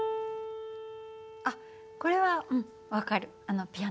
あっこれはうん分かる。